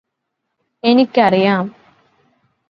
എനിക്കറിയാം